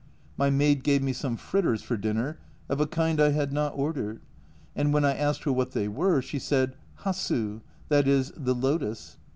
My maid gave me some fritters for dinner, of a kind I had not ordered, and when I asked her what they were, she said hassu, that is, the lotus.